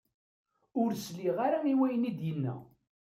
Ur sliɣ ara i wayen i d-yenna.